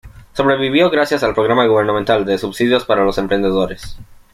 Sobrevivió gracias al programa gubernamental de subsidios para los emprendedores.